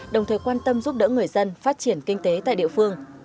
đồng thời quan tâm giúp đỡ người dân phát triển kinh tế tại địa phương